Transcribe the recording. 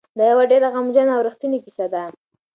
دا یوه ډېره غمجنه او رښتونې کیسه ده.